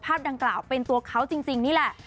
ดังกล่าวเป็นตัวเขาจริงนี่แหละ